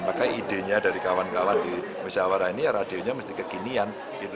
makanya idenya dari kawan kawan di musyawarah ini ya radionya mesti kekinian